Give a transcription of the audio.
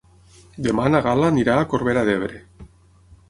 Demà na Gal·la anirà a Corbera d'Ebre.